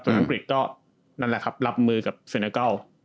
ตอนอังกฤษก็นั่นแหละครับรับมือกับเซนาโก้